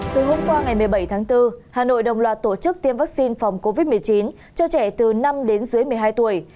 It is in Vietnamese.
từ hôm qua ngày một mươi bảy tháng bốn hà nội đồng loạt tổ chức tiêm vaccine phòng covid một mươi chín cho trẻ từ năm đến dưới một mươi hai tuổi